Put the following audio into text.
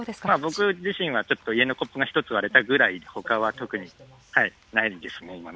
僕自身はちょっと家のコップが１つ割れたぐらいで、ほかは特にないですね。